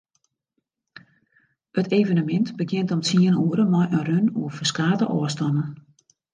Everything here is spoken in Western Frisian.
It evenemint begjint om tsien oere mei in run oer ferskate ôfstannen.